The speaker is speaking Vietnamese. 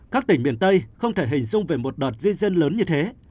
các tỉnh miền tây không thể hình dung về một đợt di dân lớn như thế